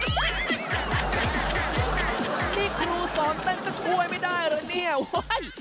นี่ครูสอนเต้นก็ค่อยไม่ได้หรือเนี่ย